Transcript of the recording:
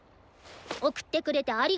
送ってくれてありがと。